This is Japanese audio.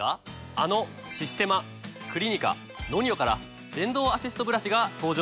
あのシステマクリニカＮＯＮＩＯから電動アシストブラシが登場したんです。